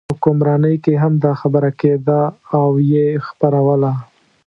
په حکمرانۍ کې هم دا خبره کېده او یې خپروله.